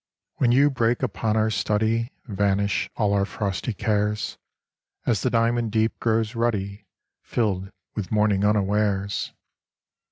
When you break upon our study Vanish all our frosty cares ; As the diamond deep grows ruddy, Filled with morning unawares.